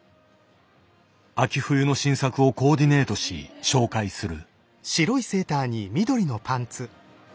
秋冬の新作をコーディネートし紹介する。